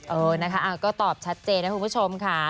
เออนะคะก็ตอบชัดเจนนะคุณผู้ชมค่ะ